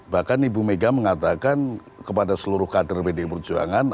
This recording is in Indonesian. bahkan ibu mega mengatakan kepada seluruh kader pdi perjuangan